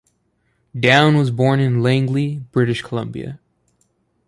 Down was born in Langley, British Columbia.